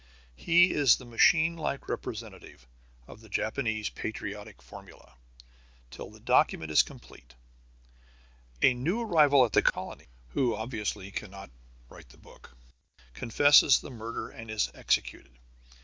He is the machine like representative of the Japanese patriotic formula, till the document is complete. A new arrival in the colony, who obviously cannot write the book, confesses the murder and is executed.